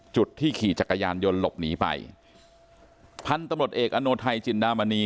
จุดที่ขี่จักรยานยนต์หลบหนีไปพันธุ์ตำรวจเอกอโนไทยจินดามณี